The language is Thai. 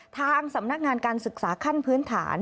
ทางสำนักงานการศึกษาขั้นพื้นฐาน